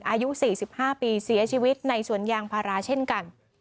อายุ๔๕ปีเสียชีวิตในสวนยางพาราเช่นกัน